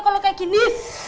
kalau kayak gini